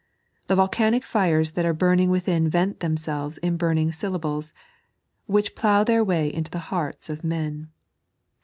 The volcanic fires that are burning within vent themselves in burning syllables, which plough their way into the hearts of men.